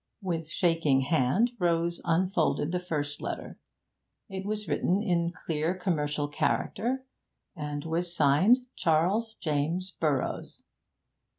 With shaking hand Rose unfolded the first letter; it was written in clear commercial character, and was signed 'Charles James Burroughs.'